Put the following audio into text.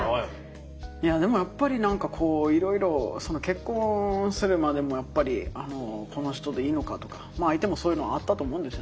いやでもやっぱり何かこういろいろその結婚するまでもやっぱりこの人でいいのかとかまあ相手もそういうのはあったと思うんですよね